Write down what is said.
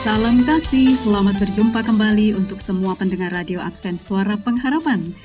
salam kasih selamat berjumpa kembali untuk semua pendengar radio advent suara pengharapan